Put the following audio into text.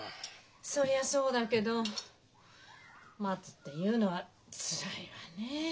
そりゃそうだけど待つっていうのはつらいわねえ。